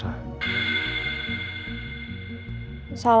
jangan pernah berpikir buruk tentang yang terlalu baik